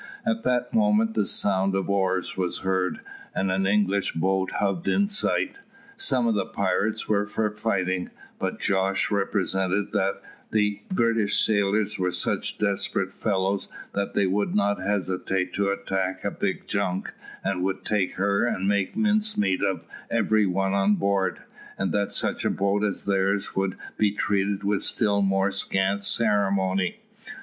At that moment the sound of oars was heard, and an English boat hove in sight. Some of the pirates were for fighting, but Jos represented that the British sailors were such desperate fellows, that they would not hesitate to attack a big junk, and would take her and make mincemeat of every one on board; and that such a boat as theirs would be treated with still more scant ceremony.